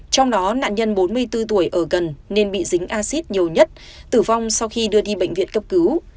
trong đó nạn nhân bốn mươi bốn tuổi ở gần nên bị dính acid nhiều nhất tử vong sau khi đưa đi bệnh viện cấp cứu